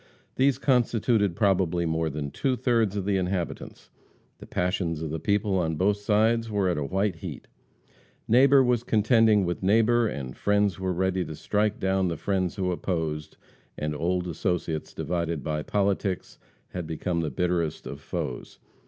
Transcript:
These constituted probably more than two thirds of the inhabitants. The passions of the people on both sides were at a white heat. Neighbor was contending with neighbor, and friends were ready to strike down the friends who opposed, and old associates divided by politics, had become the bitterest of foes.